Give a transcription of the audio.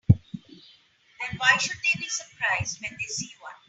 Then why should they be surprised when they see one?